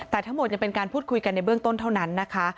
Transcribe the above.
แต่ทั้งหมดยังเป็นการพูดคุยกันในเบื้องต้นเท่านั้นนะคะ